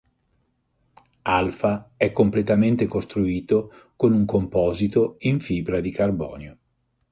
Alpha è completamente costruito con un composito in fibra di carbonio.